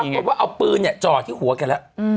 ปรากฏว่าเอาปืนจ่อที่หัวแกแล้ว